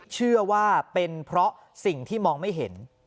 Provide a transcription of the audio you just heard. เชื่อว่าเป็นเพราะสิ่งที่มองไม่เห็น